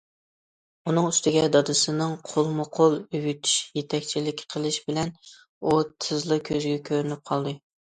ئۇنىڭ ئۈستىگە، دادىسىنىڭ قولمۇ- قول ئۆگىتىشى، يېتەكچىلىك قىلىشى بىلەن، ئۇ تېزلا كۆزگە كۆرۈنۈپ قالدى.